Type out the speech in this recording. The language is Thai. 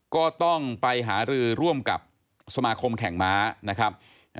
ก็ต้องไปหารือร่วมกับสมาคมแข่งม้านะครับ